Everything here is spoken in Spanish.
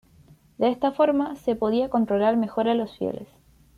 De esta forma, se podía controlar mejor a los fieles.